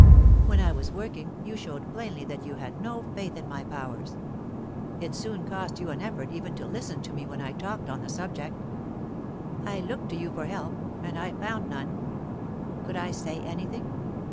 When I was working, you showed plainly that you had no faith in my powers; it soon cost you an effort even to listen to me when I talked on the subject. I looked to you for help, and I found none. Could I say anything?